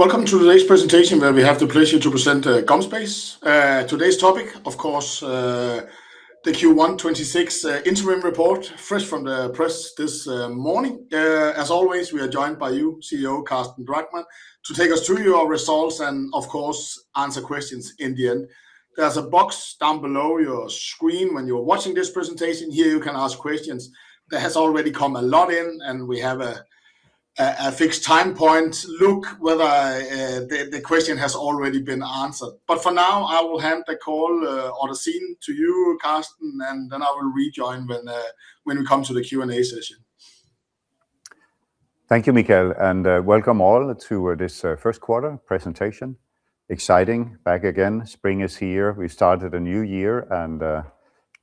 Welcome to today's presentation, where we have the pleasure to present GomSpace. Today's topic, of course, the Q1 2026 interim report, fresh from the press this morning. As always, we are joined by you, CEO Carsten Drachmann, to take us through your results and of course answer questions in the end. There's a box down below your screen when you're watching this presentation here, you can ask questions. There has already come a lot in, and we have a fixed time point. Look whether the question has already been answered. For now, I will hand the call or the scene to you, Carsten, and then I will rejoin when we come to the Q&A session. Thank you, Michael, and welcome all to this first quarter presentation. Exciting. Back again. Spring is here. We started a new year and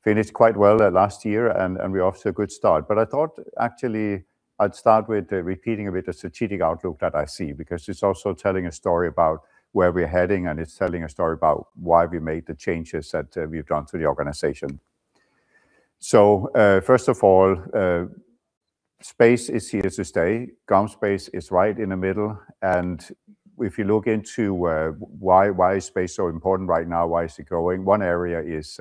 finished quite well last year and we're off to a good start. I thought, actually, I'd start with repeating a bit the strategic outlook that I see, because it's also telling a story about where we're heading and it's telling a story about why we made the changes that we've done to the organization. First of all, space is here to stay. GomSpace is right in the middle. If you look into why is space so important right now? Why is it growing? One area is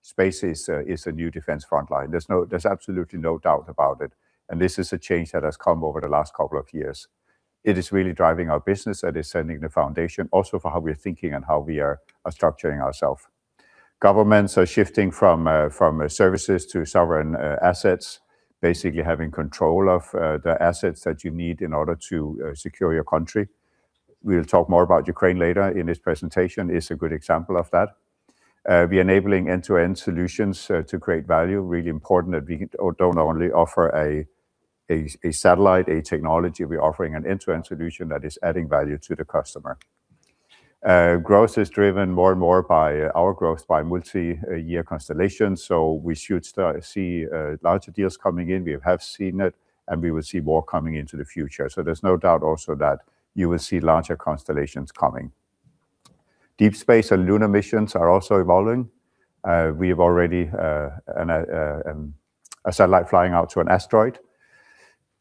space is the new defense front line. There's absolutely no doubt about it. This is a change that has come over the last couple of years. It is really driving our business and is setting the foundation also for how we're thinking and how we are structuring ourself. Governments are shifting from from services to sovereign assets, basically having control of the assets that you need in order to secure your country. We'll talk more about Ukraine later in this presentation. It's a good example of that. We're enabling end-to-end solutions to create value. Really important that we don't only offer a satellite, a technology. We're offering an end-to-end solution that is adding value to the customer. Growth is driven more and more by our growth by multi-year constellations. We should start to see larger deals coming in. We have seen it, and we will see more coming into the future. There's no doubt also that you will see larger constellations coming. Deep space and lunar missions are also evolving. We have already an a satellite flying out to an asteroid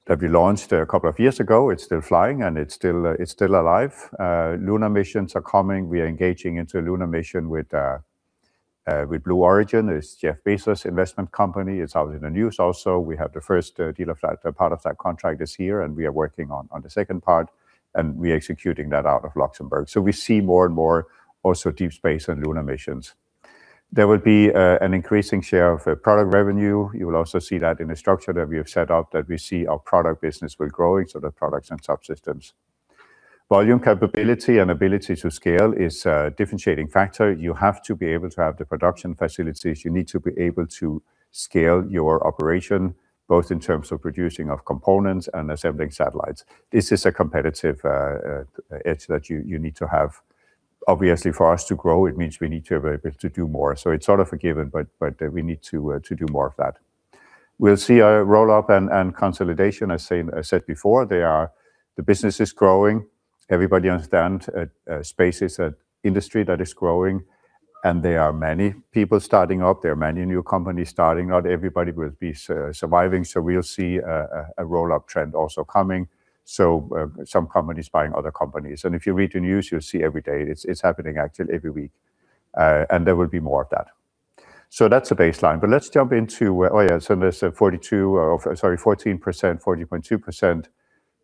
that we launched a couple of years ago. It's still flying, and it's still alive. Lunar missions are coming. We are engaging into a lunar mission with Blue Origin. It's Jeff Bezos' investment company. It's out in the news also. We have the first deal of that. A part of that contract is here, and we are working on the second part, and we are executing that out of Luxembourg. We see more and more also deep space and lunar missions. There will be an increasing share of product revenue. You will also see that in the structure that we have set up, that we see our product business will grow into the products and subsystems. Volume capability and ability to scale is a differentiating factor. You have to be able to have the production facilities. You need to be able to scale your operation, both in terms of producing of components and assembling satellites. This is a competitive edge that you need to have. Obviously, for us to grow, it means we need to be able to do more. It's sort of a given, but we need to do more of that. We'll see a roll-up and consolidation. As I said before, the business is growing. Everybody understands that space is an industry that is growing, and there are many people starting up. There are many new companies starting out. Everybody will be surviving, we'll see a roll-up trend also coming. Some companies buying other companies. If you read the news, you'll see every day. It's happening actually every week. There will be more of that. That's the baseline. Let's jump into. There's 14%, 40.2%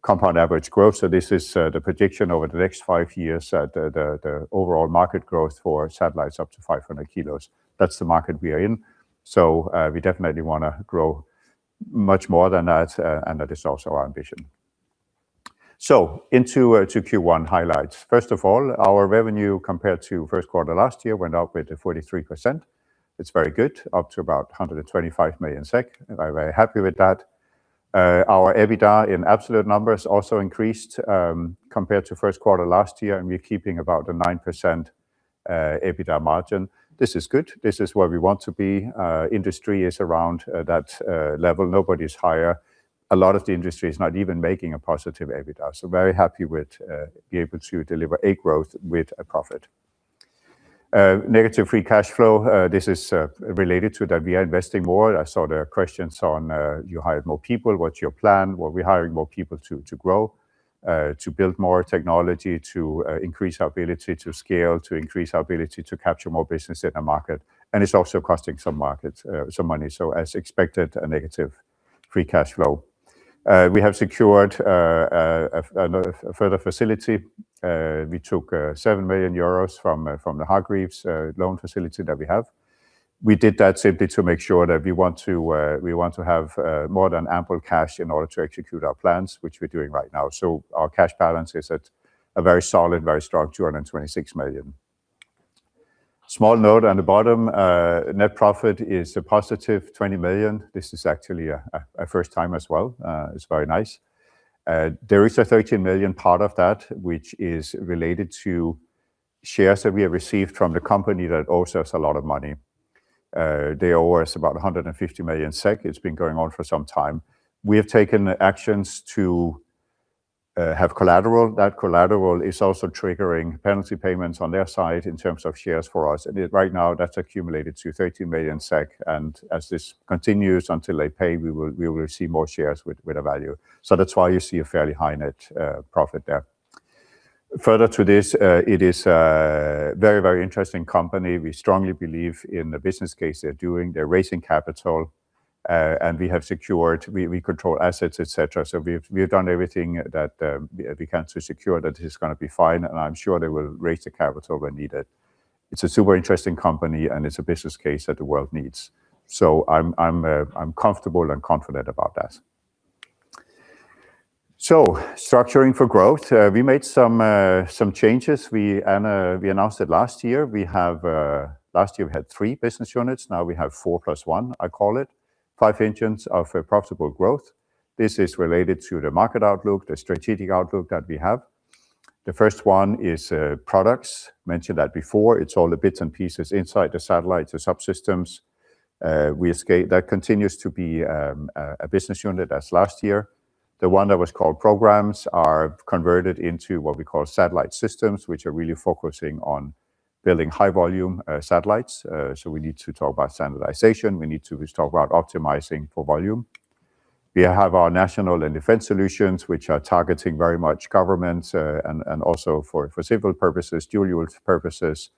compound average growth. This is the prediction over the next five years that the overall market growth for satellites up to 500 kilos. That's the market we are in. We definitely wanna grow much more than that is also our ambition. Into Q1 highlights. First of all, our revenue compared to first quarter last year went up with 43%. It's very good, up to about 125 million SEK. I'm very happy with that. Our EBITDA in absolute numbers also increased compared to first quarter last year, and we're keeping about a 9% EBITDA margin. This is good. This is where we want to be. Industry is around that level. Nobody's higher. A lot of the industry is not even making a positive EBITDA, very happy with be able to deliver a growth with a profit. Negative free cash flow. This is related to that we are investing more. I saw the questions on, you hired more people. What's your plan? Well, we're hiring more people to grow, to build more technology, to increase our ability to scale, to increase our ability to capture more business in the market, and it's also costing some markets, some money. As expected, a negative free cash flow. We have secured a further facility. We took 7 million euros from the Hargreaves loan facility that we have. We did that simply to make sure that we want to, we want to have more than ample cash in order to execute our plans, which we're doing right now. Our cash balance is at a very solid, very strong 226 million. Small note on the bottom, net profit is a positive 20 million. This is actually a first time as well. It's very nice. There is a 13 million part of that which is related to shares that we have received from the company that owes us a lot of money. They owe us about 150 million SEK. It's been going on for some time. We have taken actions to have collateral. That collateral is also triggering penalty payments on their side in terms of shares for us. Right now, that's accumulated to 13 million SEK, and as this continues until they pay, we will see more shares with a value. That's why you see a fairly high net profit there. Further to this, it is a very interesting company. We strongly believe in the business case they're doing. They're raising capital, and we control assets, et cetera. We've done everything that we can to secure that it is going to be fine, and I'm sure they will raise the capital when needed. It's a super interesting company, and it's a business case that the world needs. I'm comfortable and confident about that. Structuring for growth. We made some changes. We announced it last year. We have Last year we had three business units, now we have four plus one, I call it. Five engines of profitable growth. This is related to the market outlook, the strategic outlook that we have. The first one is products. Mentioned that before. It's all the bits and pieces inside the satellites, the subsystems. That continues to be a business unit as last year. The one that was called programs are converted into what we call satellite systems, which are really focusing on building high volume satellites. We need to talk about standardization. We need to just talk about optimizing for volume. We have our national and defense solutions, which are targeting very much governments and also for civil purposes, dual-use purposes,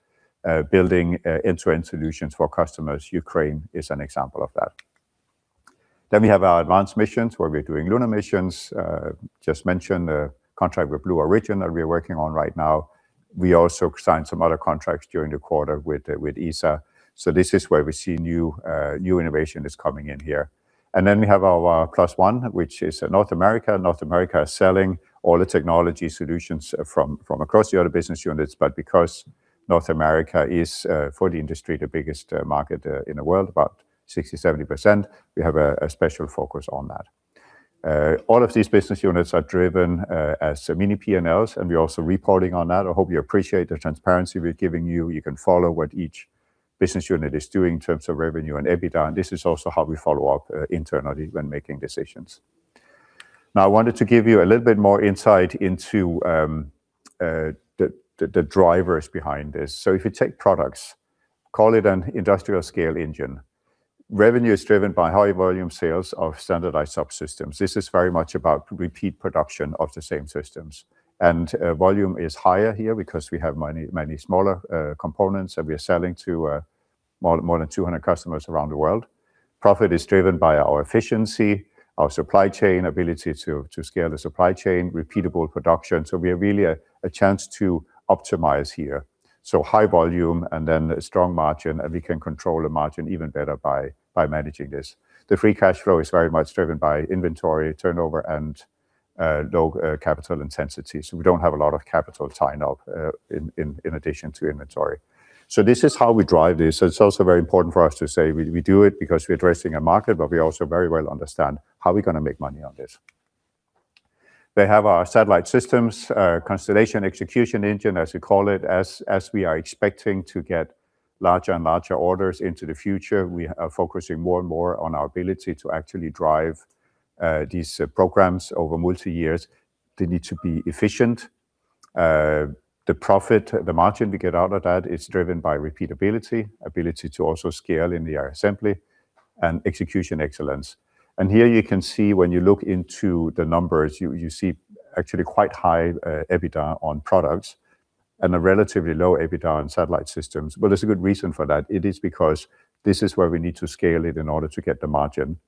building end-to-end solutions for customers. Ukraine is an example of that. We have our advanced missions, where we're doing lunar missions. Just mentioned a contract with Blue Origin that we're working on right now. We also signed some other contracts during the quarter with ESA. This is where we see new innovation is coming in here. We have our plus one, which is North America. North America is selling all the technology solutions from across the other business units. Because North America is for the industry, the biggest market in the world, about 60%-70%, we have a special focus on that. All of these business units are driven as mini P&Ls, and we're also reporting on that. I hope you appreciate the transparency we're giving you. You can follow what each business unit is doing in terms of revenue and EBITDA, and this is also how we follow up internally when making decisions. I wanted to give you a little bit more insight into the drivers behind this. If you take products, call it an industrial scale engine. Revenue is driven by high volume sales of standardized subsystems. This is very much about repeat production of the same systems. Volume is higher here because we have many smaller components that we are selling to more than 200 customers around the world. Profit is driven by our efficiency, our supply chain ability to scale the supply chain, repeatable production. We have really a chance to optimize here. High volume and then strong margin, and we can control the margin even better by managing this. The free cash flow is very much driven by inventory turnover and low capital intensity. We don't have a lot of capital tied up in addition to inventory. This is how we drive this. It's also very important for us to say we do it because we're addressing a market, but we also very well understand how we're gonna make money on this. We have our satellite systems, constellation execution engine, as we call it. As we are expecting to get larger and larger orders into the future, we are focusing more and more on our ability to actually drive these programs over multi-years. They need to be efficient. The profit, the margin we get out of that is driven by repeatability, ability to also scale in the assembly and execution excellence. Here you can see when you look into the numbers, you see actually quite high EBITDA on products and a relatively low EBITDA on satellite systems. There's a good reason for that. It is because this is where we need to scale it in order to get the margin.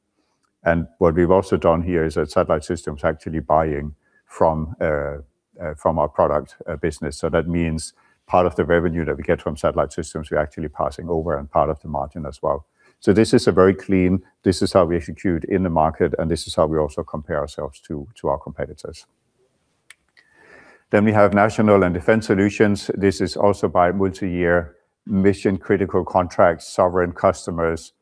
What we've also done here is that Satellite Systems is actually buying from our product business. That means part of the revenue that we get from Satellite Systems, we're actually passing over and part of the margin as well. This is a very clean. This is how we execute in the market, and this is how we also compare ourselves to our competitors. We have National and Defense Solutions. This is also by multi-year mission-critical contracts, sovereign customers.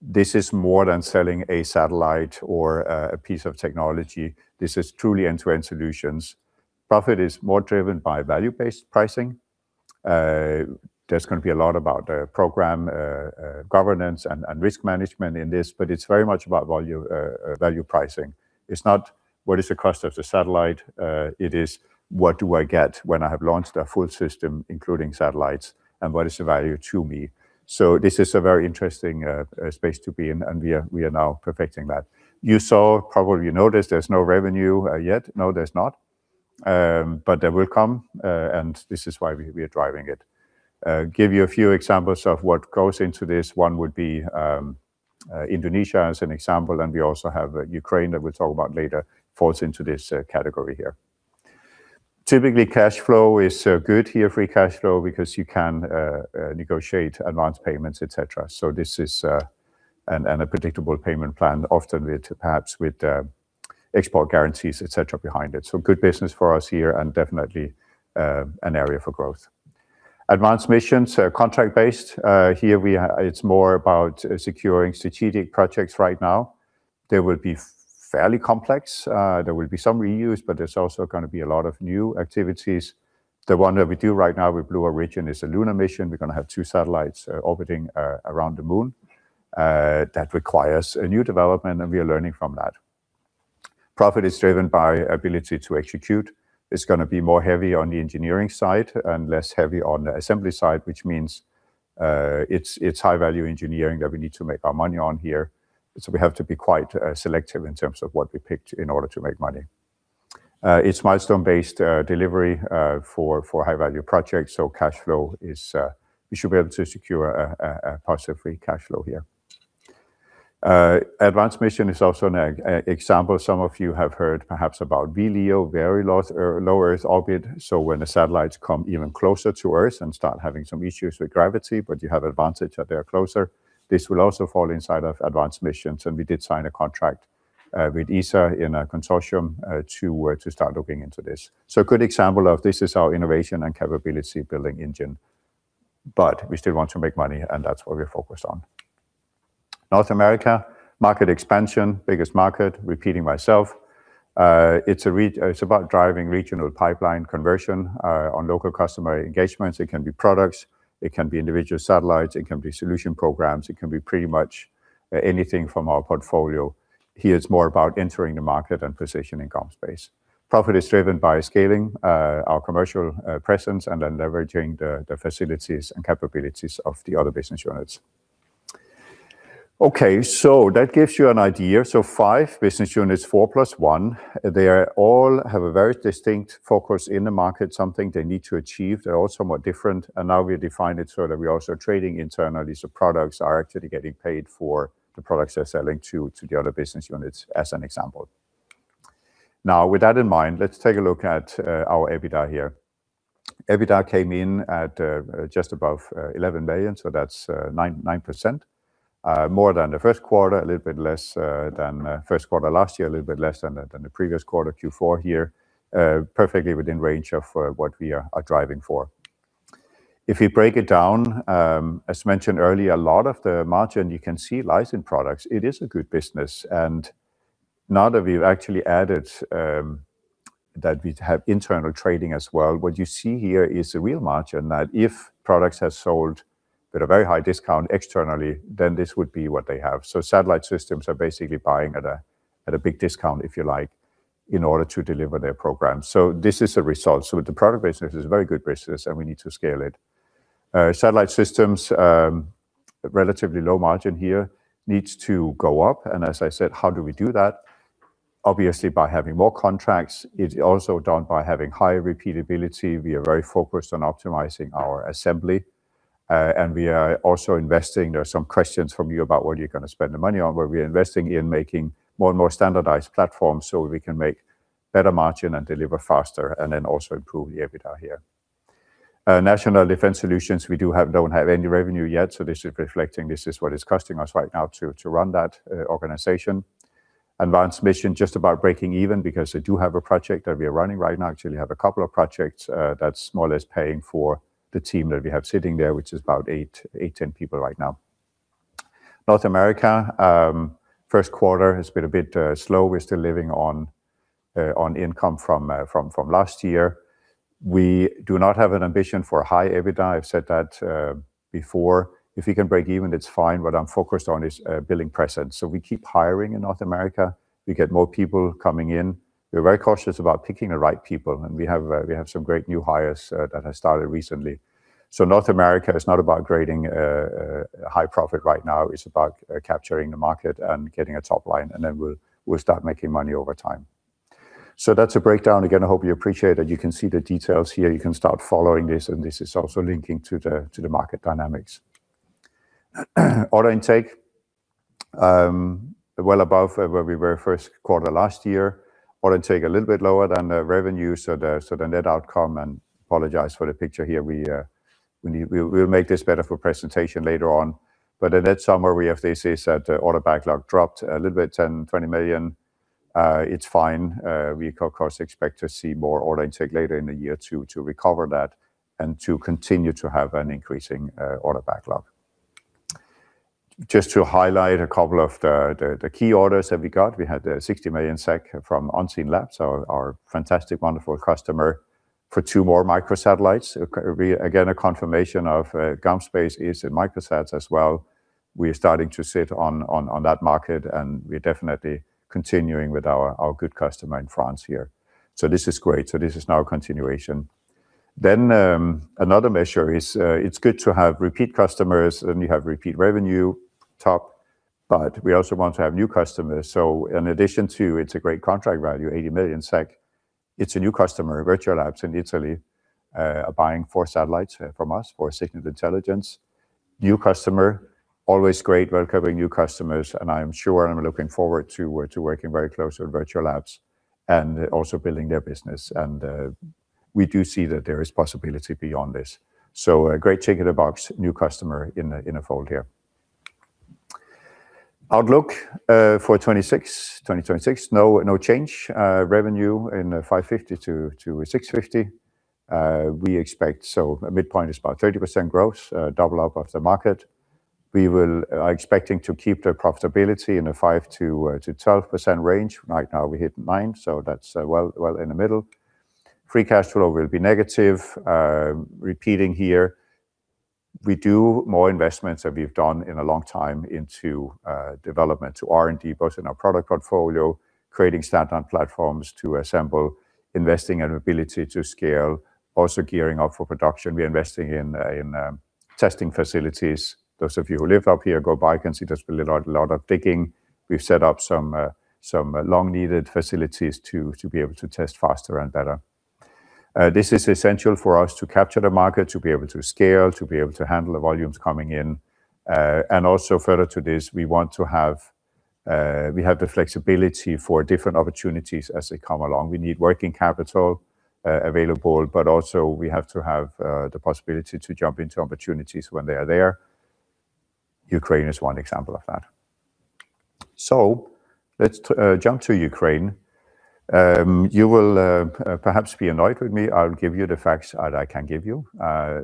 This is more than selling a satellite or a piece of technology. This is truly end-to-end solutions. Profit is more driven by value-based pricing. There's gonna be a lot about program governance and risk management in this, but it's very much about value pricing. It's not what is the cost of the satellite, it is what do I get when I have launched a full system, including satellites, and what is the value to me? This is a very interesting space to be in, and we are now perfecting that. You saw, probably you noticed there's no revenue yet. No, there's not. There will come, and this is why we are driving it. Give you a few examples of what goes into this. One would be Indonesia as an example, and we also have Ukraine that we'll talk about later, falls into this category here. Typically, cash flow is good here, free cash flow, because you can negotiate advanced payments, et cetera. This is a predictable payment plan, often with perhaps with export guarantees, et cetera, behind it. Good business for us here and definitely an area for growth. Advanced missions are contract-based. Here it's more about securing strategic projects right now. They will be fairly complex. There will be some reuse, there's also gonna be a lot of new activities. The one that we do right now with Blue Origin is a lunar mission. We're gonna have two satellites, orbiting around the moon. That requires a new development, we are learning from that. Profit is driven by ability to execute. It's gonna be more heavy on the engineering side and less heavy on the assembly side, which means, it's high-value engineering that we need to make our money on here, so we have to be quite selective in terms of what we picked in order to make money. It's milestone-based delivery for high-value projects, so cash flow is. We should be able to secure a positive free cash flow here. Advanced mission is also an example some of you have heard perhaps about VLEO, very low Earth orbit, so when the satellites come even closer to Earth and start having some issues with gravity, but you have advantage that they are closer. This will also fall inside of advanced missions. We did sign a contract with ESA in a consortium to start looking into this. A good example of this is our innovation and capability building engine. We still want to make money. That's what we're focused on. North America, market expansion, biggest market, repeating myself. It's about driving regional pipeline conversion on local customer engagements. It can be products, it can be individual satellites, it can be solution programs, it can be pretty much anything from our portfolio. Here, it's more about entering the market and positioning GomSpace. Profit is driven by scaling our commercial presence, leveraging the facilities and capabilities of the other business units. Okay, that gives you an idea. Five business units, four plus one. They all have a very distinct focus in the market, something they need to achieve. They're all somewhat different. Now we define it so that we're also trading internally, so products are actually getting paid for the products they're selling to the other business units, as an example. Now, with that in mind, let's take a look at our EBITDA here. EBITDA came in at just above 11 million, so that's 9%. More than the first quarter, a little bit less than first quarter last year, a little bit less than the previous quarter, Q4 here. Perfectly within range of what we are driving for. If you break it down, as mentioned earlier, a lot of the margin you can see lies in products. It is a good business. Now that we've actually added, that we have internal trading as well, what you see here is a real margin, that if products have sold at a very high discount externally, then this would be what they have. Satellite systems are basically buying at a big discount, if you like, in order to deliver their program. This is a result. The product business is a very good business. We need to scale it. Satellite systems, relatively low margin here, needs to go up. As I said, how do we do that? Obviously, by having more contracts. It's also done by having higher repeatability. We are very focused on optimizing our assembly. We are also investing. There are some questions from you about what you're gonna spend the money on. Well, we're investing in making more and more standardized platforms, so we can make better margin and deliver faster, and then also improve the EBITDA here. National Defense Solutions, we don't have any revenue yet, so this is reflecting this is what it's costing us right now to run that organization. Advanced Mission, just about breaking even because they do have a project that we are running right now. Actually, we have a couple of projects that's more or less paying for the team that we have sitting there, which is about eight, 10 people right now. North America, first quarter has been a bit slow. We're still living on income from last year. We do not have an ambition for high EBITDA. I've said that before. If you can break even, it's fine. What I'm focused on is building presence. We keep hiring in North America. We get more people coming in. We're very cautious about picking the right people. We have some great new hires that have started recently. North America is not about creating a high profit right now. It's about capturing the market and getting a top line, then we'll start making money over time. That's a breakdown. Again, I hope you appreciate that you can see the details here. You can start following this. This is also linking to the market dynamics. Order intake, well above where we were first quarter last year. Order intake a little bit lower than the revenue, so the net outcome. Apologize for the picture here. We'll make this better for presentation later on. The net somewhere we have this is that the order backlog dropped a little bit, 10 million-20 million. It's fine. We of course expect to see more order intake later in the year to recover that and to continue to have an increasing order backlog. Just to highlight a couple of the key orders that we got. We had a 60 million SEK from Unseenlabs, our fantastic, wonderful customer, for two more microsatellites. Again, a confirmation of GomSpace is in microsats as well. We are starting to sit on that market, and we're definitely continuing with our good customer in France here. This is great. This is now a continuation. Another measure is, it's good to have repeat customers, and you have repeat revenue, top, but we also want to have new customers. In addition to, it's a great contract value, 80 million SEK. It's a new customer, Virtual Labs in Italy, are buying four satellites from us for signal intelligence. New customer, always great welcoming new customers, and I'm sure I'm looking forward to working very closely with Virtual Labs and also building their business. We do see that there is possibility beyond this. A great tick in the box, new customer in a fold here. Outlook for 2026. No change. Revenue in 550-650 we expect. A midpoint is about 30% growth, double up of the market. We are expecting to keep the profitability in a 5%-12% range. Right now, we hit 9%, so that's well in the middle. Free cash flow will be negative, repeating here. We do more investments than we've done in a long time into development, to R&D, both in our product portfolio, creating standard platforms to assemble, investing and ability to scale, also gearing up for production. We're investing in testing facilities. Those of you who live up here go by can see there's been a lot of digging. We've set up some long-needed facilities to be able to test faster and better. This is essential for us to capture the market, to be able to scale, to be able to handle the volumes coming in. Also further to this, we have the flexibility for different opportunities as they come along. We need working capital available, also we have to have the possibility to jump into opportunities when they are there. Ukraine is one example of that. Let's jump to Ukraine. You will perhaps be annoyed with me. I'll give you the facts that I can give you.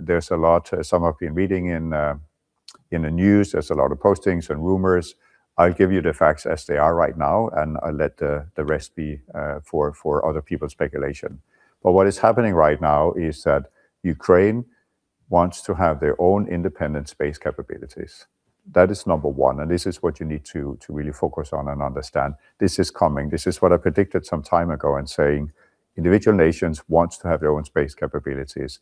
There's a lot, some of you have been reading in the news, there's a lot of postings and rumors. I'll give you the facts as they are right now, I'll let the rest be for other people's speculation. What is happening right now is that Ukraine wants to have their own independent space capabilities. That is number one, and this is what you need to really focus on and understand. This is coming. This is what I predicted some time ago and saying individual nations wants to have their own space capabilities.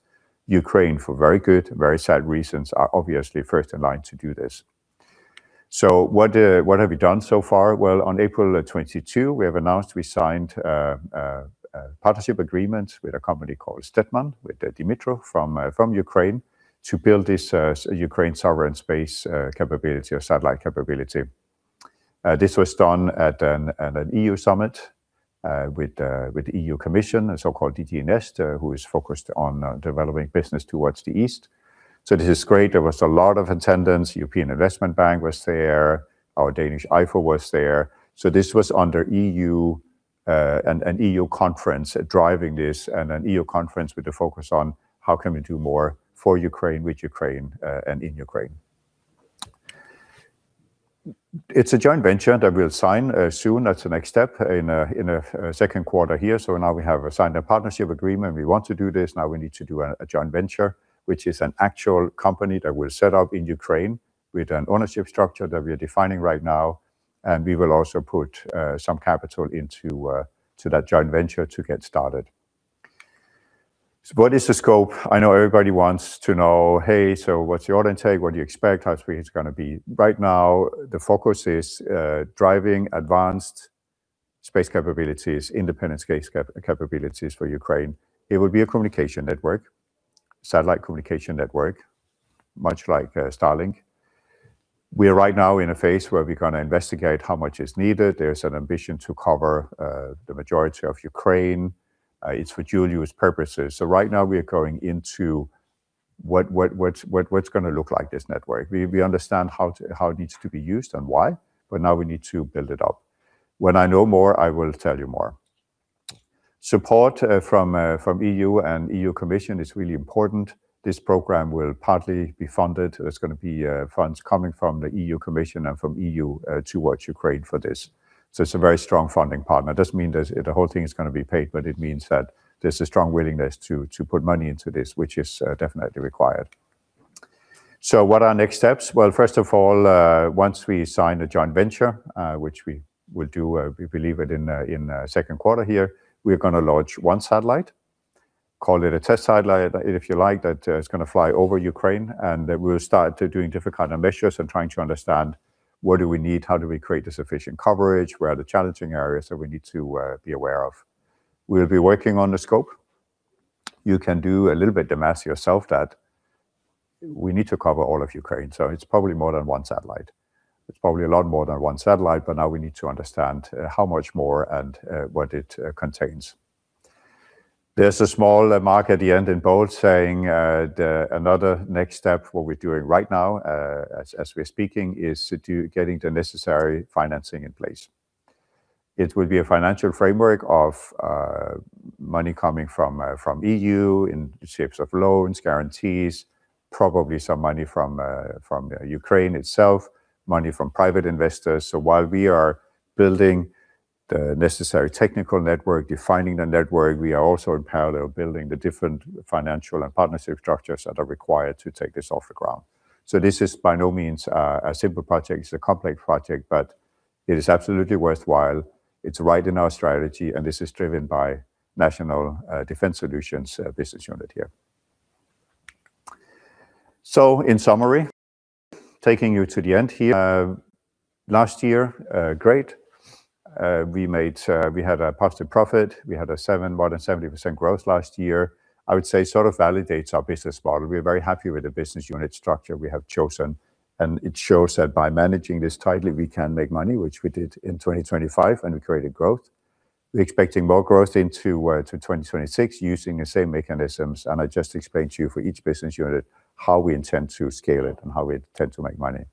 Ukraine, for very good, very sad reasons, are obviously first in line to do this. What have you done so far? On April 22, we have announced we signed a partnership agreement with a company called STETMAN, with Dmytro from Ukraine to build this Ukraine sovereign space capability or satellite capability. This was done at an EU summit with the European Commission, a so-called DG NEAR, who is focused on developing business towards the East. This is great. There was a lot of attendance. European Investment Bank was there. Our Danish IFU was there. This was under EU, an EU conference driving this and an EU conference with the focus on how can we do more for Ukraine, with Ukraine, and in Ukraine. It's a joint venture that we'll sign soon. That's the next step in the second quarter here. Now we have signed a partnership agreement. We want to do this. Now we need to do a joint venture, which is an actual company that we'll set up in Ukraine with an ownership structure that we are defining right now, and we will also put some capital into that joint venture to get started. What is the scope? I know everybody wants to know, "Hey, what's the order intake? What do you expect? How sweet it's gonna be? Right now, the focus is driving advanced space capabilities, independent space capabilities for Ukraine. It would be a communication network, satellite communication network, much like Starlink. We are right now in a phase where we're gonna investigate how much is needed. There's an ambition to cover the majority of Ukraine. It's for dual-use purposes. Right now we are going into what's gonna look like this network. We understand how it needs to be used and why, now we need to build it up. When I know more, I will tell you more. Support from EU and EU Commission is really important. This program will partly be funded. There's gonna be funds coming from the EU Commission and from EU towards Ukraine for this. It's a very strong funding partner. It doesn't mean that the whole thing is gonna be paid, but it means that there's a strong willingness to put money into this, which is definitely required. What are next steps? Well, first of all, once we sign the joint venture, which we will do, we believe it in second quarter here, we're gonna launch one satellite, call it a test satellite, if you like, that is gonna fly over Ukraine. We'll start to doing different kind of measures and trying to understand what do we need, how do we create the sufficient coverage, where are the challenging areas that we need to be aware of. We'll be working on the scope. You can do a little bit the math yourself that we need to cover all of Ukraine. It's probably more than one satellite. It's probably a lot more than one satellite. Now we need to understand how much more and what it contains. There's a small mark at the end in bold saying the another next step, what we're doing right now, as we're speaking, is to getting the necessary financing in place. It will be a financial framework of money coming from from EU in shapes of loans, guarantees, probably some money from from Ukraine itself, money from private investors. While we are building the necessary technical network, defining the network, we are also in parallel building the different financial and partnership structures that are required to take this off the ground. This is by no means a simple project. It's a complex project, but it is absolutely worthwhile. It's right in our strategy, and this is driven by National Defense Solutions business unit here. In summary, taking you to the end here. Last year, great. We made, we had a positive profit. We had more than 70% growth last year. I would say sort of validates our business model. We are very happy with the business unit structure we have chosen, and it shows that by managing this tightly, we can make money, which we did in 2025, and we created growth. We're expecting more growth into to 2026 using the same mechanisms, and I just explained to you for each business unit how we intend to scale it and how we intend to make money.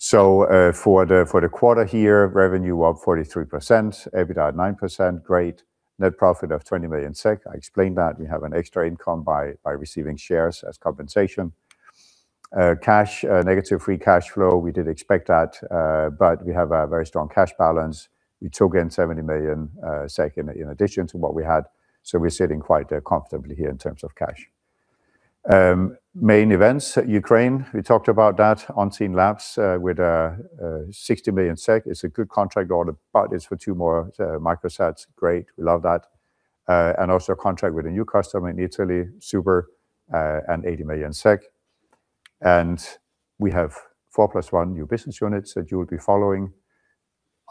For the quarter here, revenue up 43%, EBITDA at 9%, great. Net profit of 20 million SEK. I explained that. We have an extra income by receiving shares as compensation. Cash, negative free cash flow, we did expect that, but we have a very strong cash balance. We took in 70 million in addition to what we had, we're sitting quite comfortably here in terms of cash. Main events, Ukraine, we talked about that. Unseenlabs with 60 million SEK. It's a good contract. Order parties for two more microsats. Great. We love that. Also a contract with a new customer in Italy, Super, and 80 million SEK. We have four plus one new business units that you will be following.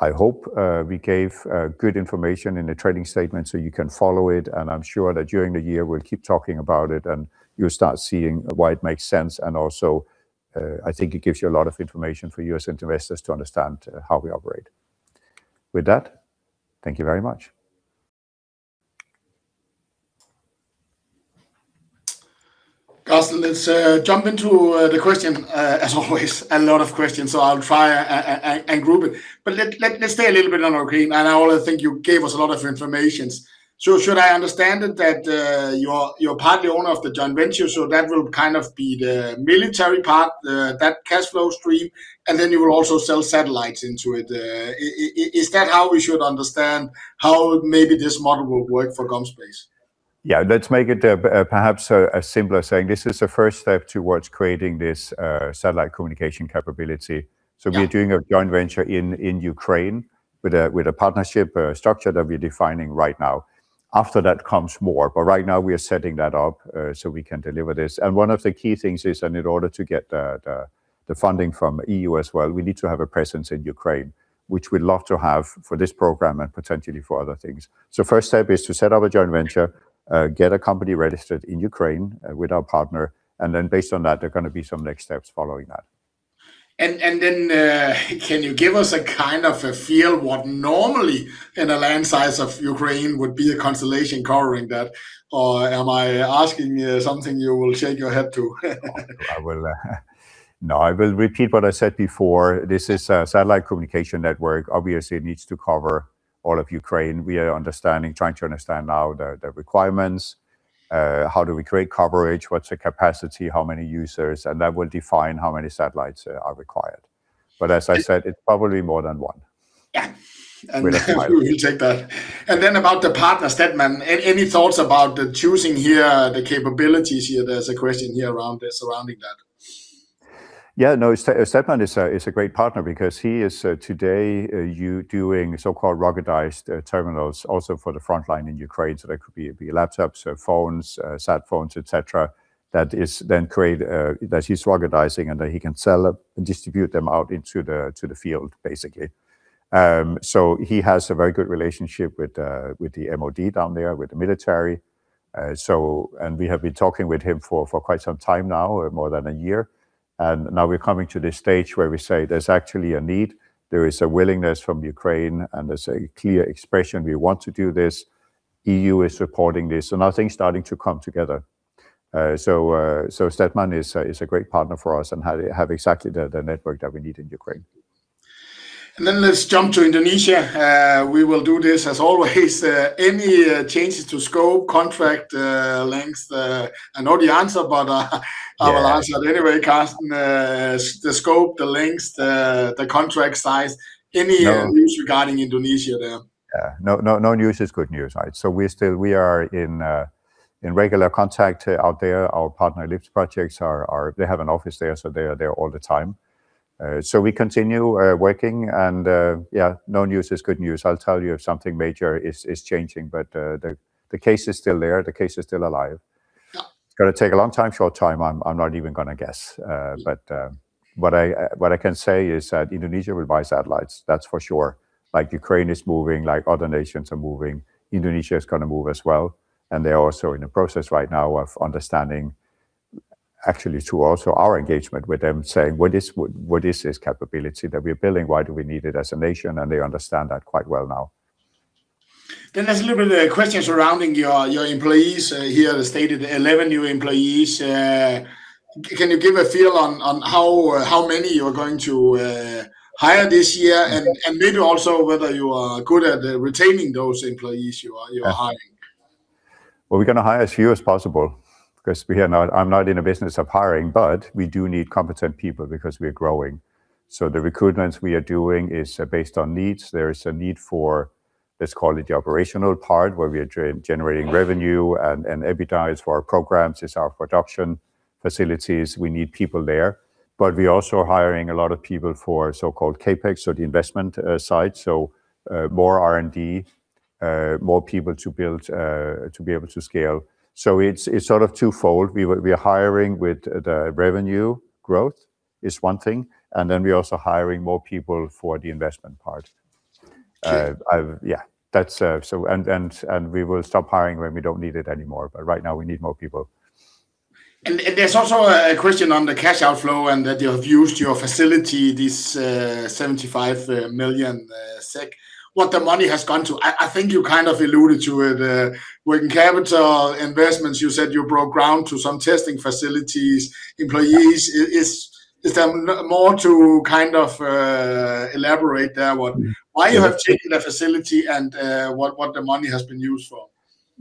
I hope we gave good information in the trading statement so you can follow it. I'm sure that during the year we'll keep talking about it and you'll start seeing why it makes sense. Also, I think it gives you a lot of information for you as investors to understand how we operate. With that, thank you very much. Carsten, let's jump into the question. As always, a lot of questions, I'll try and group it. Let's stay a little bit on Ukraine. I only think you gave us a lot of information. Should I understand it that you're partly owner of the joint venture, so that will kind of be the military part, that cashflow stream, and then you will also sell satellites into it. Is that how we should understand how maybe this model will work for GomSpace? Yeah, let's make it as simpler saying this is the first step towards creating this satellite communication capability. Yeah. We're doing a joint venture in Ukraine with a partnership structure that we're defining right now. After that comes more, but right now we are setting that up so we can deliver this. One of the key things is, and in order to get the funding from EU as well, we need to have a presence in Ukraine, which we'd love to have for this program and potentially for other things. First step is to set up a joint venture, get a company registered in Ukraine with our partner, and then based on that, there are gonna be some next steps following that. Can you give us a kind of a feel what normally in a land size of Ukraine would be a constellation covering that? Or am I asking you something you will shake your head to? I will, No, I will repeat what I said before. This is a satellite communication network. Obviously, it needs to cover all of Ukraine. We are understanding, trying to understand now the requirements. How do we create coverage? What's the capacity? How many users? That will define how many satellites are required. As I said. It's probably more than one. Yeah. With Ukraine. We'll take that. Then about the partner, STETMAN, any thoughts about the choosing here, the capabilities here? There's a question here around the, surrounding that. Yeah, no, STETMAN is a great partner because he is today doing so-called ruggedized terminals also for the frontline in Ukraine. That could be laptops or phones, sat phones, et cetera, that he's ruggedizing and that he can sell it and distribute them out into the field, basically. He has a very good relationship with the MOD down there, with the military. We have been talking with him for quite some time now, more than a year. Now we're coming to the stage where we say there's actually a need, there is a willingness from Ukraine, and there's a clear expression we want to do this. EU is supporting this. Now things are starting to come together. STETMAN is a great partner for us and have exactly the network that we need in Ukraine. Let's jump to Indonesia. We will do this as always. Any changes to scope, contract, length? I know the answer, but I will ask that anyway, Carsten. The scope, the lengths, the contract size. No. Any news regarding Indonesia there? Yeah. No, no news is good news, right? We are in regular contact out there. Our partner Lift Projects are, they have an office there, so they are there all the time. We continue working and, yeah, no news is good news. I'll tell you if something major is changing, but the case is still there. The case is still alive. It's gonna take a long time, short time, I'm not even gonna guess. What I can say is that Indonesia will buy satellites, that's for sure. Like Ukraine is moving, like other nations are moving, Indonesia is gonna move as well, and they are also in the process right now of understanding actually through also our engagement with them, saying, "What is what is this capability that we're building? Why do we need it as a nation?" They understand that quite well now. There's a little bit of question surrounding your employees. Here stated 11 new employees. Can you give a feel on how many you are going to hire this year, and maybe also whether you are good at retaining those employees you are hiring? Well, we're gonna hire as few as possible, 'cause I'm not in a business of hiring, but we do need competent people because we are growing. The recruitments we are doing is based on needs. There is a need for, let's call it the operational part, where we are generating revenue and EBITDAs for our programs. It's our production facilities. We need people there. We're also hiring a lot of people for so-called CapEx, so the investment side. More R&D, more people to build to be able to scale. It's sort of twofold. We are hiring with the revenue growth is one thing, and then we're also hiring more people for the investment part. Sure. Yeah, that's. We will stop hiring when we don't need it anymore. Right now we need more people. There's also a question on the cash outflow and that you have used your facility, this 75 million SEK. What the money has gone to? I think you kind of alluded to it, working capital investments. You said you broke ground to some testing facilities, employees. Is there more to kind of elaborate there, what, why you have taken the facility and what the money has been used for?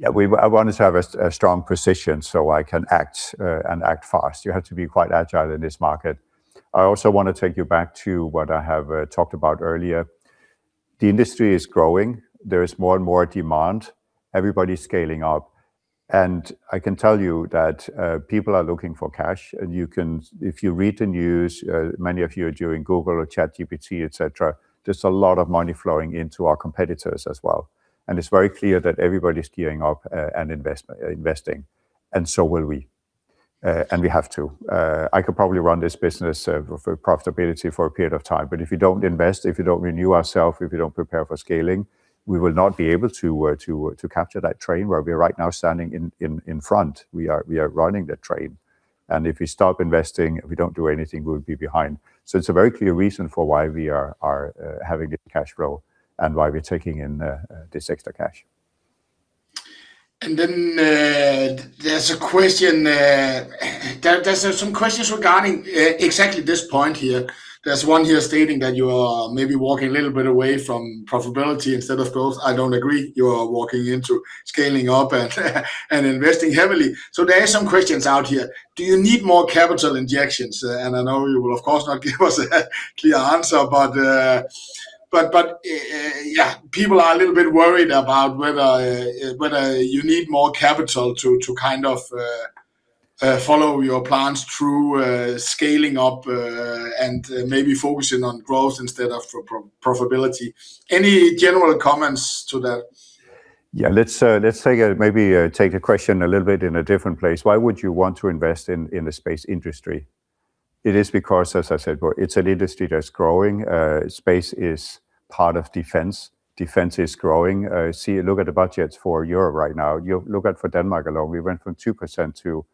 I wanted to have a strong position so I can act and act fast. You have to be quite agile in this market. I also want to take you back to what I have talked about earlier. The industry is growing. There is more and more demand. Everybody's scaling up. I can tell you that people are looking for cash, and you can if you read the news, many of you are doing Google or ChatGPT, et cetera, there's a lot of money flowing into our competitors as well. It's very clear that everybody's gearing up and investing, and so will we. We have to. I could probably run this business for profitability for a period of time, but if you don't invest, if you don't renew ourself, if you don't prepare for scaling, we will not be able to capture that train where we are right now standing in, in front. We are running the train, and if we stop investing, if we don't do anything, we would be behind. It's a very clear reason for why we are having the cash flow and why we're taking in this extra cash. Then, there's a question, there's some questions regarding exactly this point here. There's one here stating that you are maybe walking a little bit away from profitability instead of growth. I don't agree. You are walking into scaling up and investing heavily. There are some questions out here. Do you need more capital injections? I know you will of course not give us a clear answer, but, yeah, people are a little bit worried about whether you need more capital to kind of follow your plans through scaling up and maybe focusing on growth instead of profitability. Any general comments to that? Let's take the question a little bit in a different place. It is because, as I said before, it's an industry that's growing. Space is part of defense. Defense is growing. Look at the budgets for Europe right now. You look at for Denmark alone, we went from 2% to,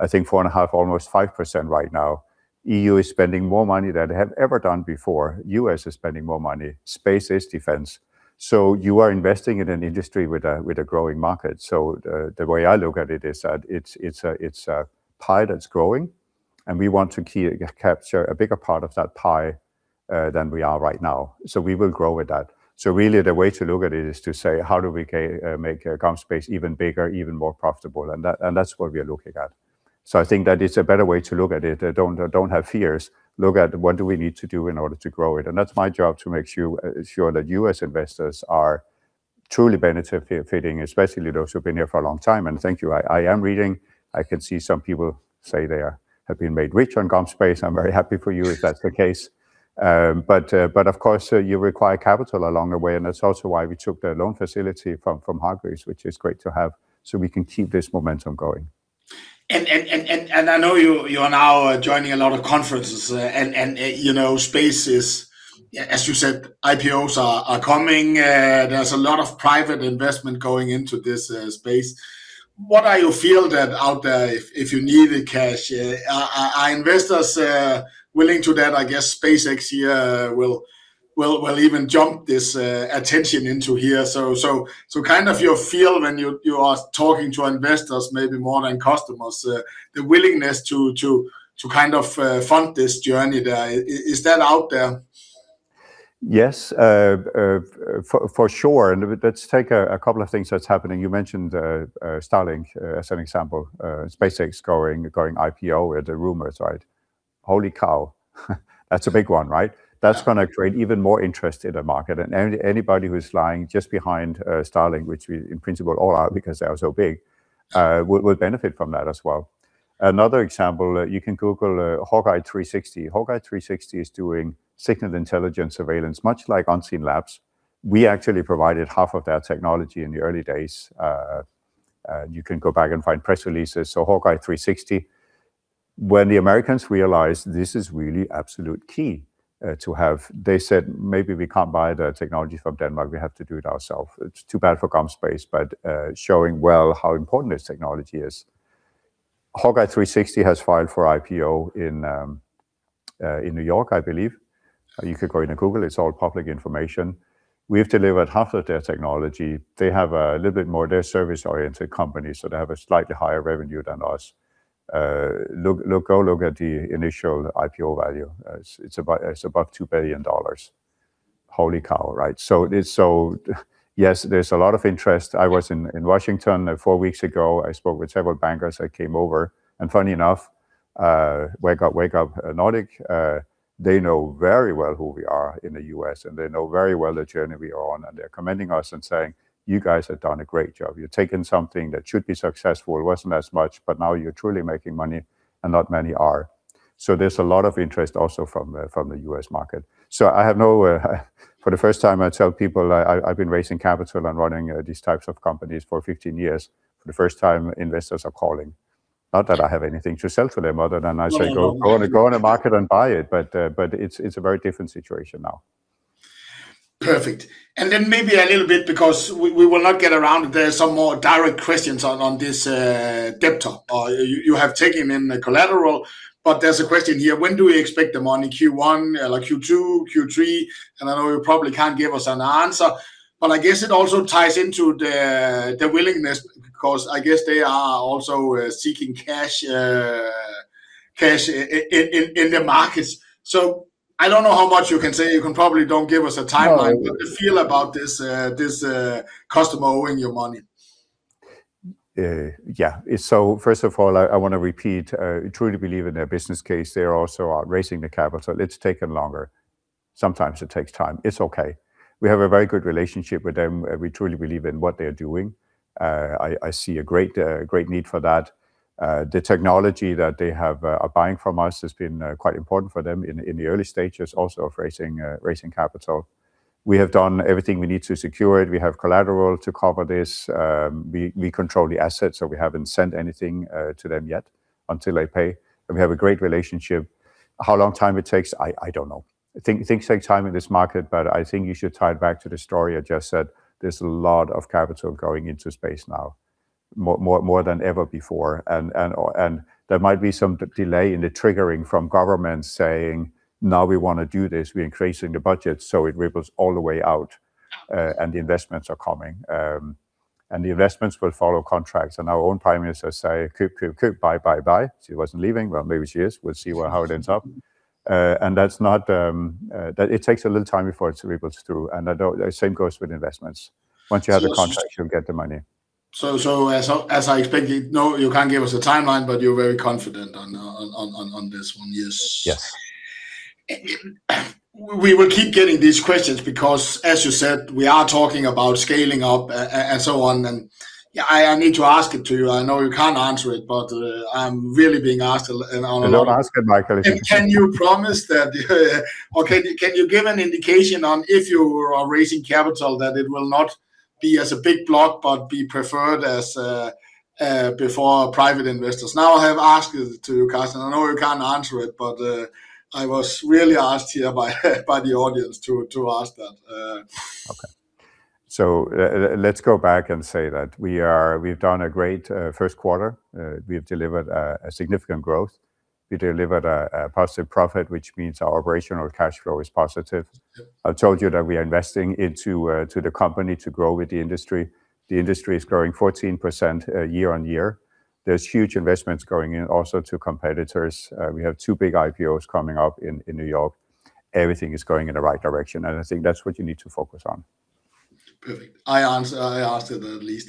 I think, 4.5%, almost 5% right now. EU is spending more money than they have ever done before. U.S. is spending more money. Space is defense. You are investing in an industry with a growing market. The way I look at it is that it's a pie that's growing, and we want to capture a bigger part of that pie than we are right now. We will grow with that. Really the way to look at it is to say, "How do we make GomSpace even bigger, even more profitable?" That, and that's what we are looking at. I think that is a better way to look at it. Don't have fears. Look at what do we need to do in order to grow it. That's my job to make sure that you as investors are truly benefit fitting, especially those who've been here for a long time. Thank you. I am reading. I can see some people say they are, have been made rich on GomSpace. I'm very happy for you if that's the case. Of course, you require capital along the way, and that's also why we took the loan facility from Hargreaves, which is great to have, so we can keep this momentum going. I know you are now joining a lot of conferences, you know, space is As you said, IPOs are coming. There's a lot of private investment going into this space. What are your feel that out there if you needed cash, are investors willing to that? I guess SpaceX here will even jump this attention into here. Kind of your feel when you are talking to investors maybe more than customers, the willingness to kind of fund this journey there. Is that out there? Yes. For sure. Let's take a couple of things that's happening. You mentioned Starlink as an example. SpaceX going IPO are the rumors, right? Holy cow. That's a big one, right? That's gonna create even more interest in the market. Anybody who's lying just behind Starlink, which we in principle all are because they are so big, would benefit from that as well. Another example, you can Google HawkEye 360. HawkEye 360 is doing signal intelligence surveillance, much like Unseenlabs. We actually provided half of that technology in the early days. You can go back and find press releases. HawkEye 360, when the Americans realized this is really absolute key to have, they said, "Maybe we can't buy the technology from Denmark. We have to do it ourselves." It's too bad for GomSpace, showing well how important this technology is. HawkEye 360 has filed for IPO in New York, I believe. You could go into Google. It's all public information. We've delivered half of their technology. They have a little bit more. They're a service-oriented company, so they have a slightly higher revenue than us. Look, go look at the initial IPO value. It's about, it's above $2 billion. Holy cow, right. Yes, there's a lot of interest. I was in Washington, four weeks ago. I spoke with several bankers that came over, and funny enough, Wake Up, Wake Up Nordic, they know very well who we are in the U.S., and they know very well the journey we are on, and they're commending us and saying, "You guys have done a great job. You've taken something that should be successful. It wasn't as much, but now you're truly making money, and not many are." There's a lot of interest also from the U.S. market. I have no, for the first time, I tell people I've been raising capital and running these types of companies for 15 years. For the first time, investors are calling. Not that I have anything to sell to them other than I say, "Go, go on the market and buy it." It's a very different situation now. Perfect. Maybe a little bit because we will not get around, there are some more direct questions on this debt talk. You have taken in the collateral, but there's a question here. When do we expect the money? Q1, like Q2, Q3? I know you probably can't give us an answer, but I guess it also ties into the willingness because I guess they are also seeking cash in the markets. I don't know how much you can say. You can probably don't give us a timeline. No. The feel about this customer owing you money. Yeah. It's first of all, I wanna repeat, truly believe in their business case. They're also are raising the capital. It's taken longer. Sometimes it takes time. It's okay. We have a very good relationship with them. We truly believe in what they're doing. I see a great need for that. The technology that they have, are buying from us has been quite important for them in the early stages also of raising capital. We have done everything we need to secure it. We have collateral to cover this. We control the assets, so we haven't sent anything to them yet until they pay, and we have a great relationship. How long time it takes, I don't know. Things take time in this market. I think you should tie it back to the story I just said. There's a lot of capital going into space now, more than ever before. There might be some delay in the triggering from government saying, "Now we wanna do this. We're increasing the budget," so it ripples all the way out, and the investments are coming. The investments will follow contracts, and our own prime minister say, "Køb, køb, køb. Buy, buy, buy." She wasn't leaving. Well, maybe she is. We'll see where, how it ends up. That it takes a little time before it ripples through. The same goes with investments. Once you have the contract, you'll get the money. So, so. As I expected, no, you can't give us a timeline, but you're very confident on this one. Yes. Yeah. We will keep getting these questions because, as you said, we are talking about scaling up and so on. Yeah, I need to ask it to you. I know you can't answer it, but I'm really being asked. Don't ask it, Michael. Can you promise that, or can you give an indication on if you are raising capital, that it will not be as a big block, but be preferred as before private investors? Now I have asked it to you, Carsten. I know you can't answer it, but I was really asked here by the audience to ask that. Okay. Let's go back and say that We've done a great first quarter. We have delivered a significant growth. We delivered a positive profit, which means our operational cash flow is positive. I've told you that we are investing into the company to grow with the industry. The industry is growing 14% year-on-year. There's huge investments going in also to competitors. We have two big IPOs coming up in New York. Everything is going in the right direction, and I think that's what you need to focus on. Perfect. I asked it at least.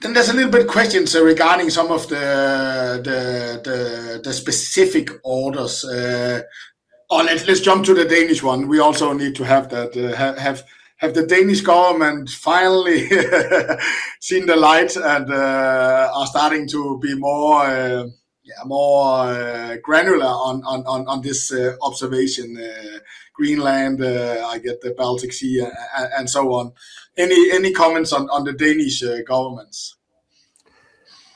There's a little bit of questions regarding some of the specific orders. Let's jump to the Danish one. We also need to have that. Have the Danish government finally seen the light and are starting to be more granular on this observation. Greenland, I get the Baltic Sea and so on. Any comments on the Danish government?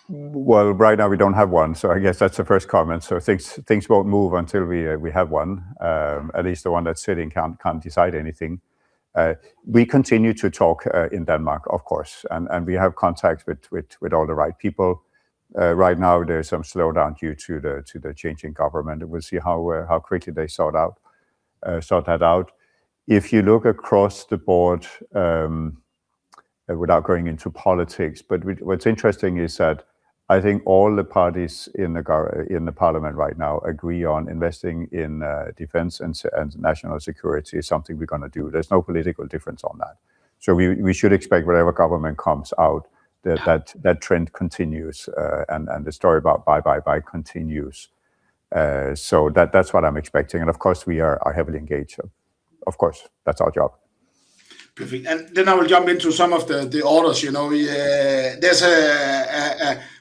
Well, right now we don't have one. I guess that's the first comment. Things won't move until we have one. At least the one that's sitting can't decide anything. We continue to talk in Denmark, of course, and we have contacts with all the right people. Right now there's some slowdown due to the change in government. We'll see how quickly they sort out that out. If you look across the board, without going into politics, what's interesting is that I think all the parties in the parliament right now agree on investing in defense and national security is something we're going to do. There's no political difference on that. We should expect whatever government comes out, that trend continues, and the story about buy, buy continues. That's what I'm expecting, and of course we are heavily engaged. Of course. That's our job. Perfect. I will jump into some of the orders, you know. There's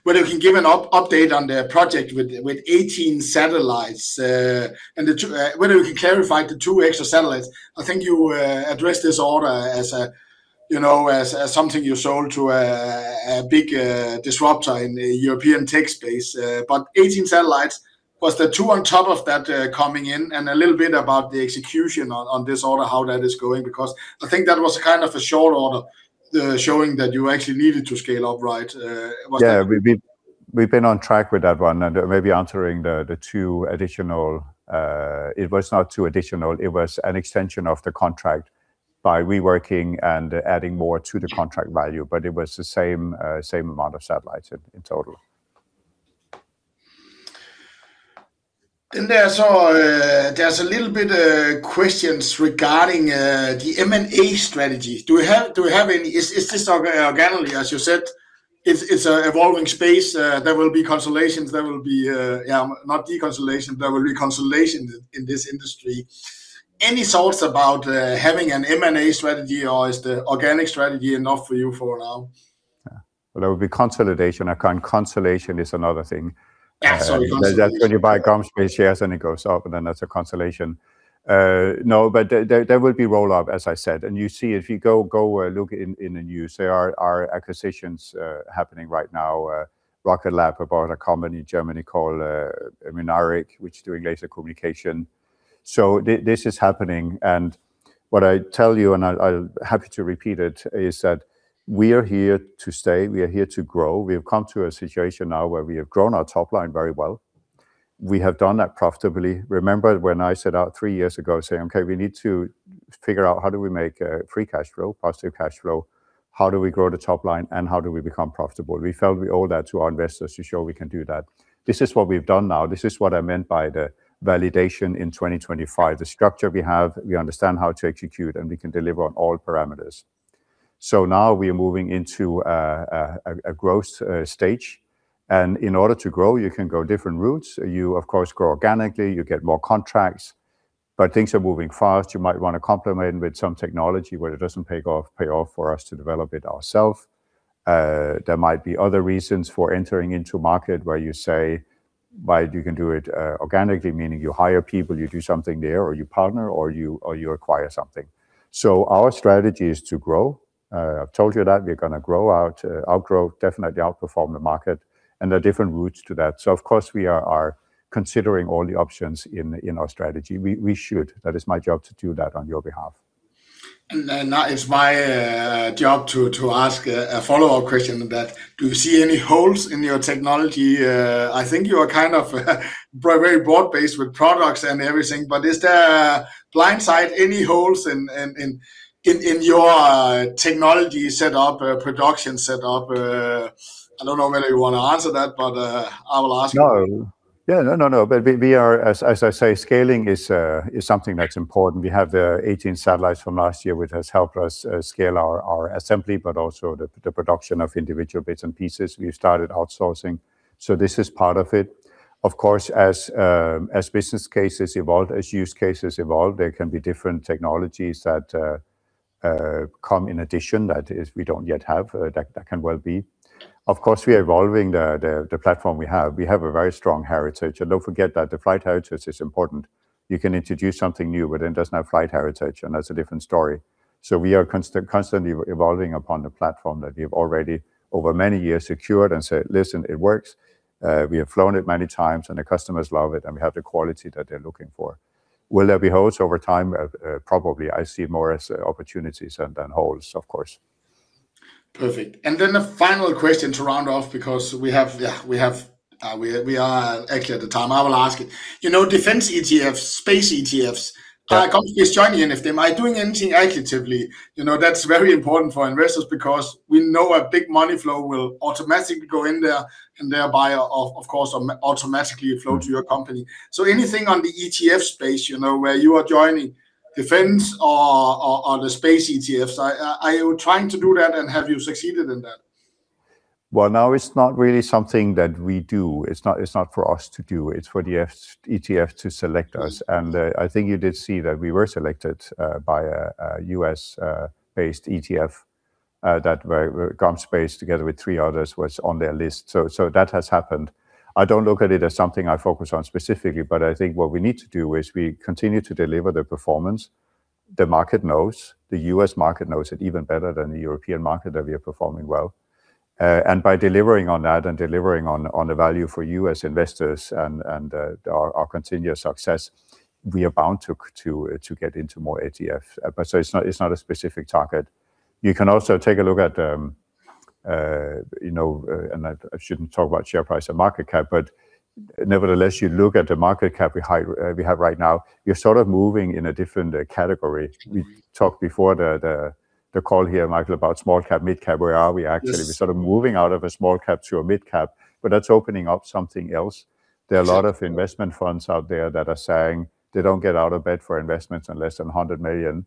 whether you can give an update on the project with 18 satellites. The two whether you can clarify the two extra satellites. I think you addressed this order as a, you know, as something you sold to a big disruptor in the European tech space. 18 satellites, was there two on top of that coming in? A little bit about the execution on this order, how that is going, because I think that was kind of a show order, showing that you actually needed to scale up, right? Yeah. We've been on track with that one. Maybe answering the two additional. It was not two additional. It was an extension of the contract by reworking and adding more to the contract value, but it was the same amount of satellites in total. There's a little bit questions regarding the M&A strategy. Do we have any Is this organically, as you said, it's an evolving space. There will be consolidations. There will be not deconsolidation. There will be consolidation in this industry. Any thoughts about having an M&A strategy, or is the organic strategy enough for you for now? Yeah. Well, that would be consolidation. A consolation is another thing. Yeah. Sorry, consolidation. That's when you buy GomSpace shares and it goes up, then that's a consolation. No, but there will be roll-up, as I said. You see if you go look in the news, there are acquisitions happening right now. Rocket Lab have bought a company in Germany called Mynaric, which doing laser communication. This is happening. What I tell you, I'll happy to repeat it, is that we are here to stay. We are here to grow. We have come to a situation now where we have grown our top line very well. We have done that profitably. Remember when I set out three years ago saying, "Okay, we need to figure out how do we make free cash flow, positive cash flow? How do we grow the top line, and how do we become profitable? We felt we owe that to our investors to show we can do that. This is what we've done now. This is what I meant by the validation in 2025. The structure we have, we understand how to execute, and we can deliver on all parameters. Now we are moving into a growth stage, and in order to grow, you can go different routes. You, of course, grow organically, you get more contracts. Things are moving fast, you might want to complement with some technology where it doesn't pay off for us to develop it ourselves. There might be other reasons for entering into market where you say, "But you can do it, organically," meaning you hire people, you do something there, or you partner, or you acquire something. Our strategy is to grow. I've told you that. We're gonna grow out, outgrow, definitely outperform the market, and there are different routes to that. Of course we are considering all the options in our strategy. We should. That is my job to do that on your behalf. Now it's my job to ask a follow-up question that do you see any holes in your technology? I think you are kind of very broad-based with products and everything, but is there blindside any holes in your technology set up, production set up? I don't know whether you want to answer that. I will ask anyway. No. Yeah, no, no. We are, as I say, scaling is something that's important. We have 18 satellites from last year, which has helped us scale our assembly, but also the production of individual bits and pieces we've started outsourcing. This is part of it. Of course, as business cases evolve, as use cases evolve, there can be different technologies that come in addition that is, we don't yet have. That can well be. Of course, we are evolving the platform we have. We have a very strong heritage. Don't forget that the flight heritage is important. You can introduce something new, but it doesn't have flight heritage. That's a different story. We are constantly evolving upon the platform that we've already over many years secured and said, "Listen, it works." We have flown it many times, and the customers love it, and we have the quality that they're looking for. Will there be holes over time? Probably. I see more as opportunities than holes, of course. Perfect. And then the final question to round off because we have, we are actually at the time, I will ask. You know, defense ETFs, space ETFs, are companies joining and if they might doing anything actively. You know, that's very important for investors because we know a big money flow will automatically go in there, and thereby of course, automatically flow to your company. Anything on the ETF space, you know, where you are joining defense or the space ETFs. Are you trying to do that, and have you succeeded in that? Well, now it's not really something that we do. It's not for us to do. It's for the ETF to select us. I think you did see that we were selected by a U.S. based ETF that where GomSpace together with three others was on their list. That has happened. I don't look at it as something I focus on specifically, but I think what we need to do is we continue to deliver the performance. The market knows. The U.S. market knows it even better than the European market that we are performing well. By delivering on that and delivering on the value for you as investors and our continuous success, we are bound to get into more ETF. It's not a specific target. You can also take a look at, you know, I shouldn't talk about share price and market cap, but nevertheless, you look at the market cap we have right now. You're sort of moving in a different category. We talked before the call here, Michael, about small cap, mid cap, where are we actually. Yes. We're sort of moving out of a small cap to a mid cap, but that's opening up something else. Sure. There are a lot of investment funds out there that are saying they don't get out of bed for investments in less than 100 million.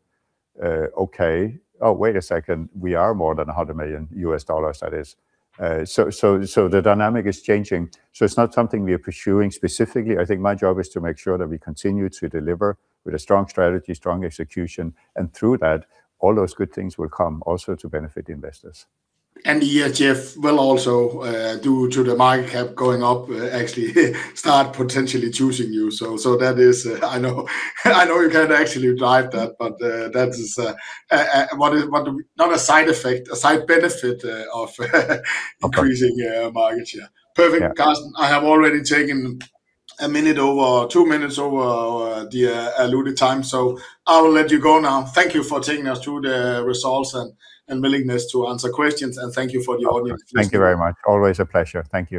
Okay. Oh, wait a second. We are more than $100 million, that is. The dynamic is changing. It's not something we are pursuing specifically. I think my job is to make sure that we continue to deliver with a strong strategy, strong execution, and through that, all those good things will come also to benefit investors. The ETF will also, due to the market cap going up, actually start potentially choosing you. That is, I know you can't actually drive that, but that is Not a side effect, a side benefit. Of course. your market share. Perfect. Yeah. Carsten, I have already taken one minute over, two minutes over, the allotted time. I will let you go now. Thank you for taking us through the results and willingness to answer questions, and thank you for the audience listening. Thank you very much. Always a pleasure. Thank you.